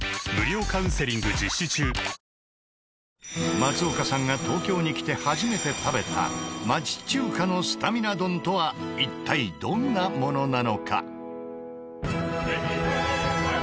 松岡さんが東京に来て初めて食べた町中華のスタミナ丼とは一体どんなものなのか？